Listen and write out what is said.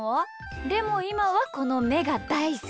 でもいまはこのめがだいすき！